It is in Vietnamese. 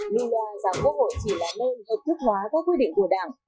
nghĩa rằng quốc hội chỉ là nơi hợp thức hóa các quy định của đảng